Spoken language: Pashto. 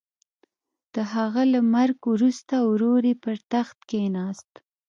د هغه له مرګ وروسته ورور یې پر تخت کېناست.